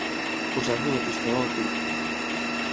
Posar-li la pistola al pit.